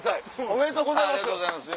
おめでとうございます！